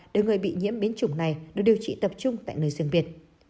để người bị nhiễm biến chủng này được điều trị tập trung tại nơi riêng biệt